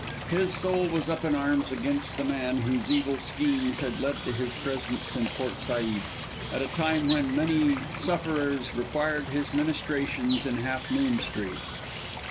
His soul was up in arms against the man whose evil schemes had led to his presence in Port Said, at a time when many sufferers required his ministrations in Half Moon Street.